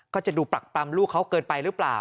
ก็จะดูปรักปรำลูกเขาเกินไปหรือเปล่า